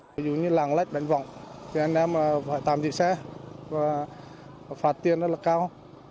ví dụ như làng lách bến vọng thì anh em phải tạm dữ xe phạt tiền rất là cao